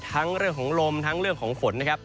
เรื่องของลมทั้งเรื่องของฝนนะครับ